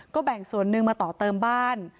ก็แบ่งส่วนหนึ่งมาต่อเติมบ้าน